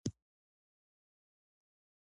هغې وویل محبت یې د خزان په څېر ژور دی.